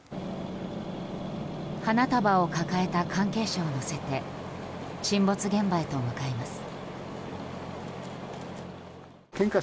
花束を抱えた関係者を乗せて沈没現場へと向かいます。